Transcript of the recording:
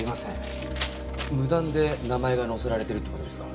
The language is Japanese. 無断で名前が載せられてるって事ですか？